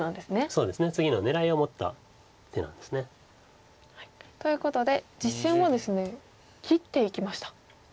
そうですね次の狙いを持った手なんです。ということで実戦はですね切っていきました。